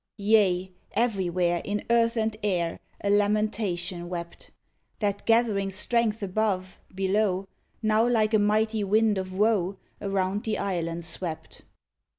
Yea, everywhere, in earth and air, A lamentation wept; That, gathering strength above, below, Now like a mighty wind of woe, Around the island swept.